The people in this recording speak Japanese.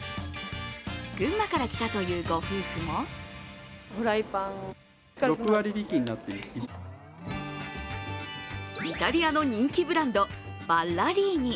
群馬から来たというご夫婦もイタリアの人気ブランド・バッラリーニ。